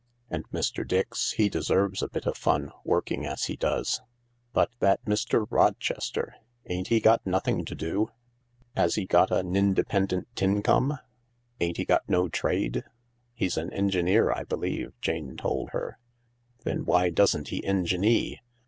And Mr. Dix, he deserves a bit of fun, working as he does. But that Mr. Rochester ! Ain't he got nothing to do ? 'As he got a nindependen tincome ? Ain't he got no trade ?"" He's an engineer, I believe," Jane told her. " Then why doesn't he enginee